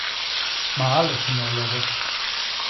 Μα άλλος είναι ο λόγος